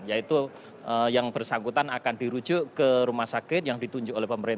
yaitu yang bersangkutan akan dirujuk ke rumah sakit yang ditunjuk oleh pemerintah